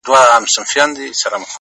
زما د سرڅښتنه اوس خپه سم که خوشحاله سم